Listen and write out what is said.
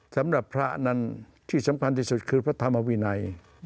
สำหรับพระนั้นที่สำคัญที่สุดคือพระธรรมวินัย